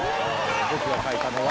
僕が書いたのは。